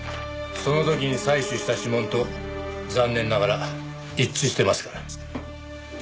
その時に採取した指紋と残念ながら一致してますから。